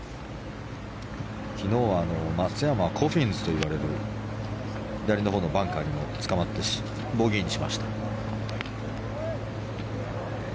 昨日は松山はコフィンズといわれる左のほうのバンカーにもつかまってボギーにしました。